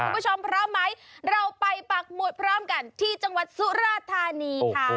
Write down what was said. พร้อมไหมเราไปปากหมุดพร้อมกันที่จังหวัดสุราธานีค่ะ